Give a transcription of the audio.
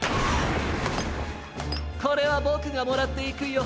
これはボクがもらっていくよ。